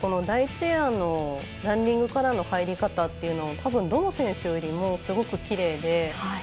第１エアのランディングからの入り方っていうのはたぶん、どの選手よりもすごくきれいで。